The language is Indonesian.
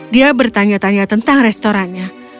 dia bertanya tanya tentang restorannya